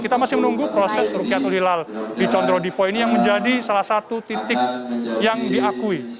kita masih menunggu proses rukiatul hilal di condro dipo ini yang menjadi salah satu titik yang diakui